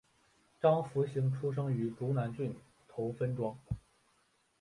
张福兴出生于竹南郡头分庄。